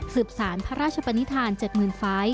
สืบสารพระราชปนิษฐาน๗๐๐๐๐ฝ่าย